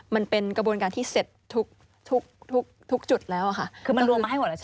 มันเป็นกระบวนการที่เสร็จทุกทุกจุดแล้วค่ะคือมันรวมมาให้หมดแล้วใช่ไหม